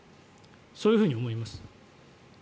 そういうふうに思います。